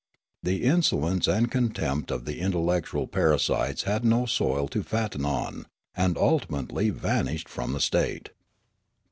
The insolence and contempt of the intellectual parasites had no soil to fatten on, and ultimately vanished from the state."